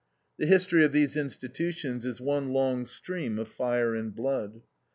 The history of these institutions is one long stream of fire and blood.